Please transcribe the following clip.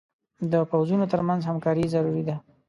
د پوځونو تر منځ همکاري ضروري ده.